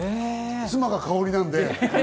妻が香織なんで。